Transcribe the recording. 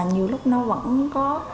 nhiều lúc nó vẫn có